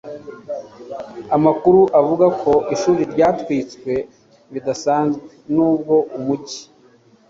amakuru avuga ko ishuri ryatwitswe bidatinze nubwo umujyi